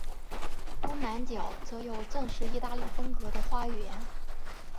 东南角则有正式意大利风格的花园。